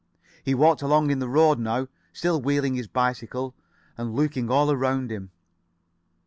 He walked along in the road now, still wheeling his bicycle, and looking all around him.